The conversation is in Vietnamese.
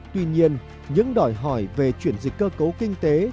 tuy nhiên những đòi hỏi về chuyển dịch cơ cấu kinh tế